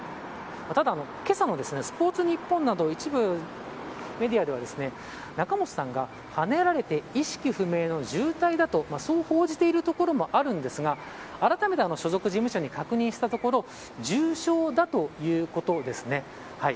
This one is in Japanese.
ただ、けさもスポーツニッポンなど一部メディアでは、仲本さんがはねられて意識不明の重体だとそう報じているところもあるんですがあらためて所属事務所に確認したところ重傷だということですね。